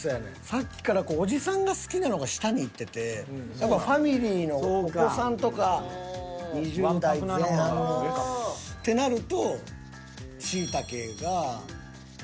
さっきからおじさんが好きなのが下にいっててファミリーのお子さんとか２０代前半のってなるとしいたけが。